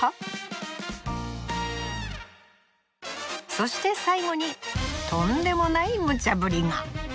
そして最後にとんでもないムチャぶりが。